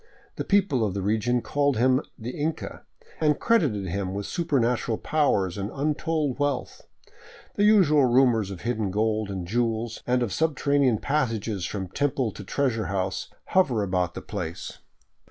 The people of the region called him " the Inca " and credited him with supernatural powers and untold wealth. The usual rumors of hidden gold and jewels, and of subterranean passages from temple to treasure house, hover about the place.